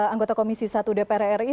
anggota komisi satu dpr ri